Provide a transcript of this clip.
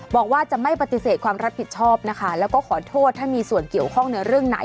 บอกว่าจะไม่ปฏิเสธความรับผิดชอบนะคะแล้วก็ขอโทษถ้ามีส่วนเกี่ยวข้องในเรื่องไหน